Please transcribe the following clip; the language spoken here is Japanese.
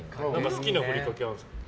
好きなふりかけあるんですか？